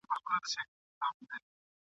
غيرتي ډبرين زړونه !.